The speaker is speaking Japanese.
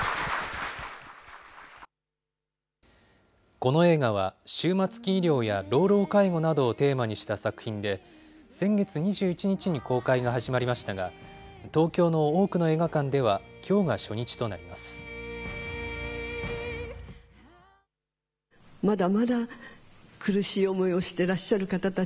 この映画は、終末期医療や老老介護などをテーマにした作品で、先月２１日に公開が始まりましたが、東京の多くの映画館では、きょうが初日となります。